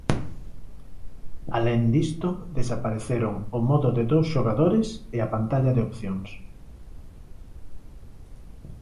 Alén disto desapareceron o modo de dous xogadores e a pantalla de opcións.